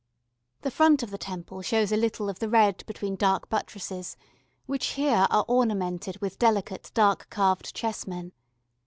The front of the Temple shows a little of the red between dark buttresses, which, here, are ornamented with delicate dark carved chessmen.